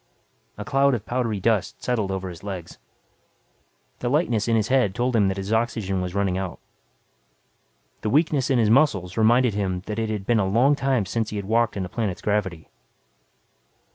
A cloud of powdery dust settled over his legs. The lightness in his head told him that his oxygen was running out. The weakness in his muscles reminded him that it had been a long time since he had walked in a planet's gravity.